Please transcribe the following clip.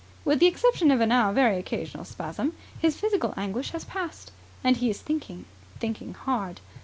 With the exception of a now very occasional spasm, his physical anguish has passed, and he is thinking, thinking hard.